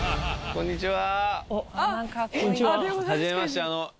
こんにちは。